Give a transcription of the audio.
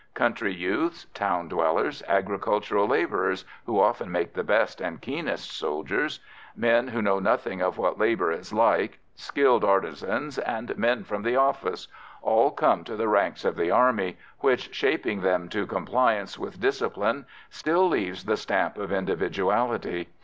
Country youths, town dwellers, agricultural labourers who often make the best and keenest soldiers men who know nothing of what labour is like, skilled artisans, and men from the office all come to the ranks of the Army, which, shaping them to compliance with discipline, still leaves the stamp of individuality.